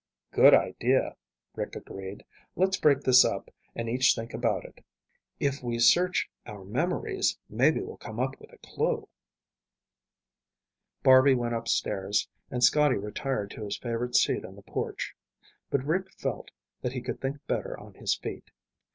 "Good idea," Rick agreed. "Let's break this up and each think about it. If we each search our memories, maybe we'll come up with a clue." Barby went upstairs and Scotty retired to his favorite seat on the porch. But Rick felt that he could think better on his feet.